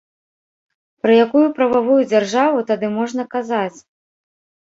Пра якую прававую дзяржаву тады можна казаць?